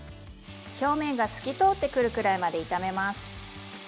表面が透き通ってくるくらいまで炒めます。